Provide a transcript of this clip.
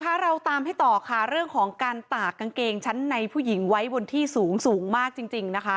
เราตามให้ต่อค่ะเรื่องของการตากกางเกงชั้นในผู้หญิงไว้บนที่สูงสูงมากจริงจริงนะคะ